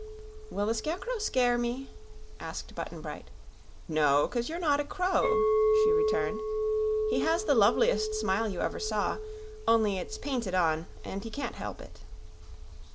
"Will the Scarecrow scare me?" asked Button Bright. "No; 'cause you're not a crow," she returned. "He has the loveliest smile you ever saw only it's painted on and he can't help it."